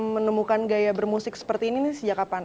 menemukan gaya bermusik seperti ini sejak kapan